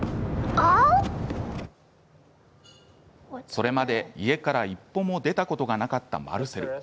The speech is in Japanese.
それまで家から一歩も出たことがなかったマルセル。